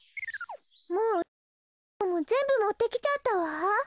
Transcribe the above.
もううちにあるゴムぜんぶもってきちゃったわ。